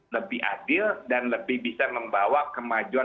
lebih adil dan lebih bisa membawa kemajuan